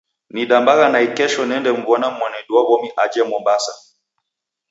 Nidambagha naikesho nende mw'ona mwanedu wa w'omi aje Mwambasa.